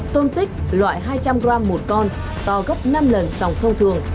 tôn tích loại hai trăm linh g một con to gấp năm lần dòng thông thường